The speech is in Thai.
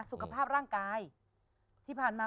สุขภาพร่างกายที่ผ่านมา